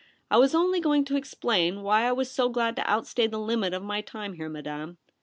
I was only going to explain why I was so glad to outstay the limit of my time here, Madame.'